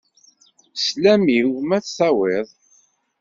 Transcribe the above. Slam-iw ma ad t-tawiḍ.